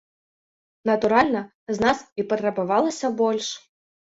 Натуральна, з нас і патрабавалася больш.